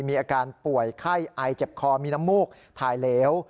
มีอาการป่วยไข้อายเจ็บคอมีน้ำมูกถ่ายเหลว